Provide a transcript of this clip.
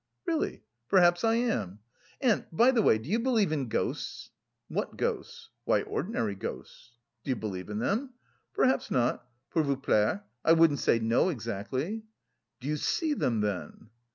Really, perhaps I am. And, by the way, do you believe in ghosts?" "What ghosts?" "Why, ordinary ghosts." "Do you believe in them?" "Perhaps not, pour vous plaire.... I wouldn't say no exactly." "Do you see them, then?"